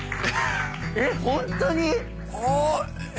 えっホントに？あえ。